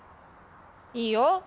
いいよ。